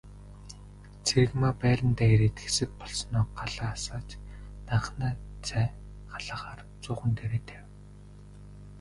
Цэрэгмаа байрандаа ирээд хэсэг болсноо галаа асааж данхтай цай халаахаар зуухан дээрээ тавив.